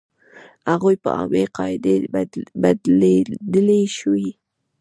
هغوی په عامې قاعدې بدلېدلی شوې.